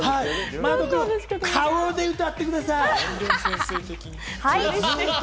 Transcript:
マナト君、顔で歌ってください。